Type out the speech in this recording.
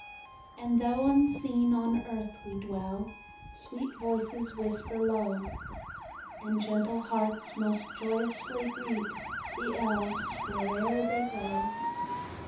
And though unseen on earth we dwell, Sweet voices whisper low, And gentle hearts most joyously greet The Elves where'er they go.